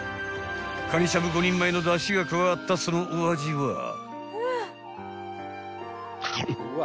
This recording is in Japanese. ［かにしゃぶ５人前のだしが加わったそのお味は？］